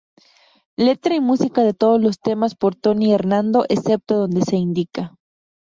Letra y música de todos los temas por Tony Hernando, excepto donde se indica